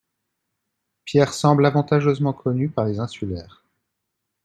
Pierre semble avantageusement connu par les insulaires.